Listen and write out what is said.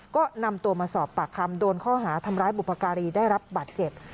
ก็นำตัวมาสอบปากคำโดนข้อหาทำร้ายบุพการีได้รับบาดเจ็บ